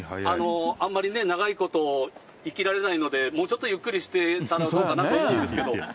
あんまりね、長いこと生きられないので、もうちょっとゆっくりしてたらなと思うんですけど。